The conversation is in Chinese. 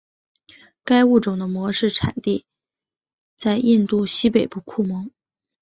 该物种的模式产地在印度西北部库蒙。